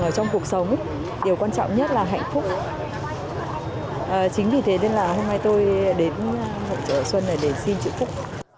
hội chữ xuân bộ tuất hai nghìn một mươi tám diễn ra từ ngày chín đến ngày hai mươi năm tháng hai tức từ ngày hai mươi bốn tháng chạp năm đinh dậu đến ngày một mươi tháng chủ nguyễn